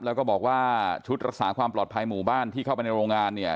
แล้วก็บอกว่าชุดรักษาความปลอดภัยหมู่บ้านที่เข้าไปในโรงงานเนี่ย